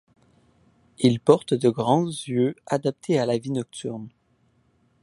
Il porte de grands yeux adaptés à la vie nocturne.